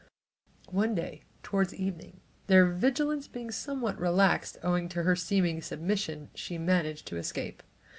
One day toward evening, their vigilance being somewhat relaxed, owing to her seeming submission, she managed to escape.